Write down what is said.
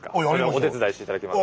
お手伝いして頂けますか？